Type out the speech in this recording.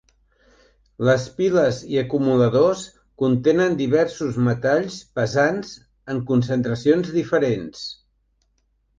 Les piles i acumuladors contenen diversos metalls pesants en concentracions diferents.